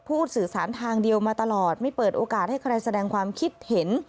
สื่อสารทางเดียวมาตลอดไม่เปิดโอกาสให้ใครแสดงความคิดเห็น